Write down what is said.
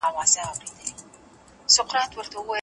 که حکومت ظلم وکړي ولس يې پر وړاندي دريږي.